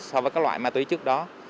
so với các loại ma túy trước đó